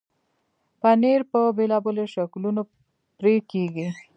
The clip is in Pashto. پنېر په بېلابېلو شکلونو پرې کېږي.